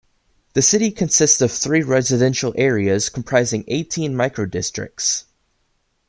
The city consists of three residential areas comprising eighteen microdistricts.